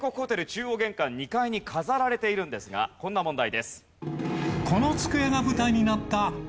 中央玄関２階に飾られているんですがこんな問題です。